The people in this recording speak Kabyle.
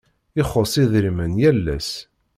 Ixuṣ idrimen yal ass.